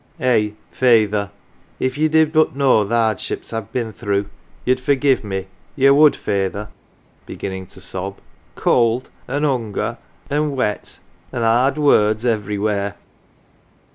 " Eh ! feyther, if ye did but know th' 'ardships I've been through ye'd forgive me ye would, feyther " begin ning to sob " cold, an' hunger, an' wet an' 'ard words everywhere."